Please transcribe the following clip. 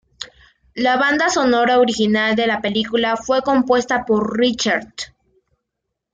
La banda sonora original de la película fue compuesta por Richter.